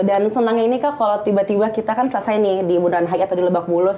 dan senangnya ini kak kalau tiba tiba kita kan selesai nih di buran hai atau di lebak bulus